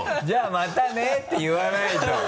「じゃあまたね」って言わないと。